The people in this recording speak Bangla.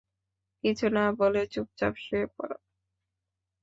কিছু না বলে চুপচাপ শুয়ে পড়।